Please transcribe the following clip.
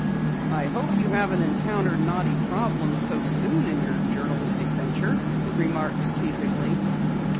"I hope you haven't encountered knotty problems so soon in your journalistic venture," he remarked teasingly.